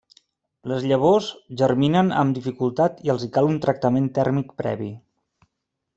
Les llavors germinen amb dificultat i els hi cal un tractament tèrmic previ.